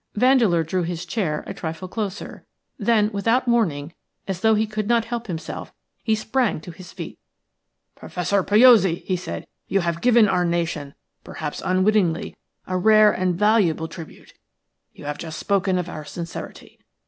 Vandeleur drew his chair a trifle closer. Then, without warning, as though he could not help himself, he sprang to his feet. "Professor Piozzi," he said, "you have given our nation, perhaps unwittingly, a rare and valuable tribute. You have just spoken of our sincerity.